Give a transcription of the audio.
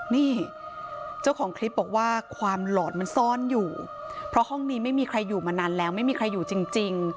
นี่เจ้าของคลิปบอกว่าความหลอนมันซ่อนอยู่เพราะห้องนี้ไม่มีใครอยู่มานานแล้วไม่มีใครอยู่จริง